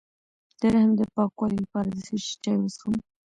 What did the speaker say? د رحم د پاکوالي لپاره د څه شي چای وڅښم؟